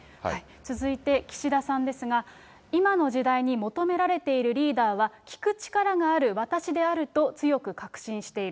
続いて、岸田さんですが、今の時代に求められているリーダーは聞く力がある私であると強く確信している。